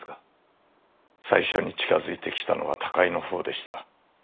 最初に近づいてきたのは高井のほうでした。